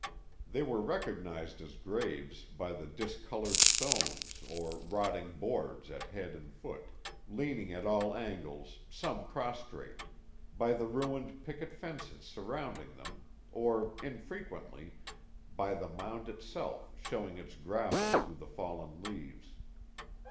They were recognized as graves by the discolored stones or rotting boards at head and foot, leaning at all angles, some prostrate; by the ruined picket fences surrounding them; or, infrequently, by the mound itself showing its gravel through the fallen leaves.